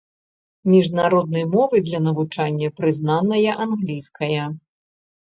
Міжнародным мовай для навучання прызнаная англійская.